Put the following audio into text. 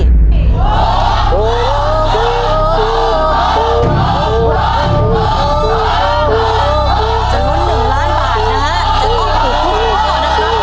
จะล้น๑ล้านบาทนะครับแต่ต้องถูกทุกข้อนะคะ